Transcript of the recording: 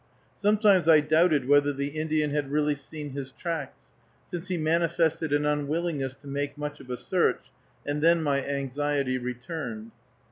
Sometimes I doubted whether the Indian had really seen his tracks, since he manifested an unwillingness to make much of a search, and then my anxiety returned.